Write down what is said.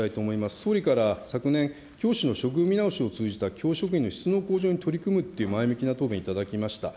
総理から昨年、教師の処遇見直しを通じた教職員の質の向上に取り組むという前向きな答弁いただきました。